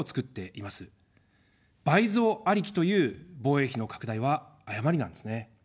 倍増ありきという防衛費の拡大は誤りなんですね。